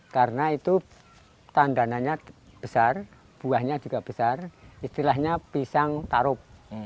karena itu tandananya besar buahnya juga besar istilahnya pisang tarub